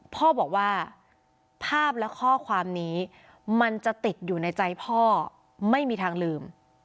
พ่อบอกว่าภาพและข้อความนี้มันจะติดอยู่ในใจพ่อไม่มีทางลืม